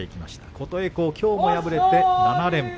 琴恵光は、きょうも敗れて７連敗。